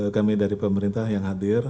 kami dari pemerintah yang hadir